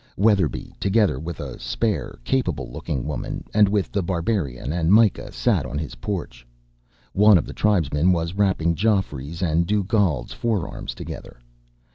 Weatherby, together with a spare, capable looking woman, and with The Barbarian and Myka, sat on his porch. One of the tribesmen was wrapping Geoffrey's and Dugald's forearms together.